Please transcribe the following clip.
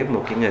một cái người